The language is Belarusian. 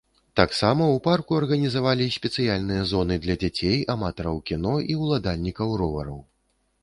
Таксама ў парку арганізавалі спецыяльныя зоны для дзяцей, аматараў кіно і ўладальнікаў ровараў.